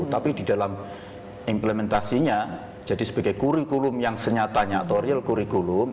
tapi di dalam implementasinya jadi sebagai curriculum yang senyata atau real curriculum